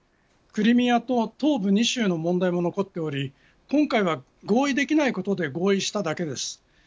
クリミアと東部２州の問題も残っており今回は合意できないことで合意しただけです。